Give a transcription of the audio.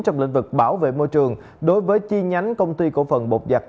trong lĩnh vực bảo vệ môi trường đối với chi nhánh công ty cổ phần bột giặc